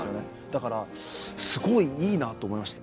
だからすごいいいなと思いました。